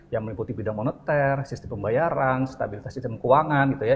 yang meliputi bidang moneter sistem pembayaran stabilitas sistem keuangan gitu ya